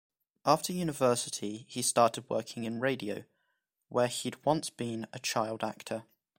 After university he started working in radio, where he'd once been a child actor.